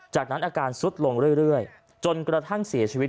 จากนั้นอาการซุดลงเรื่อยจนกระทั่งเสียชีวิต